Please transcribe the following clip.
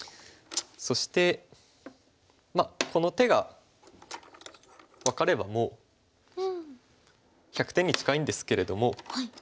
そしてこの手が分かればもう１００点に近いんですけれども。